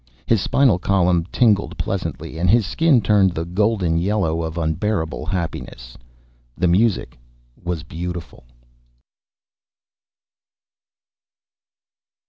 His spinal column tingled pleasantly, and his skin turned the golden yellow of unbearable happiness. The music was beautiful.